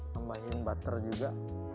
tambahin butter juga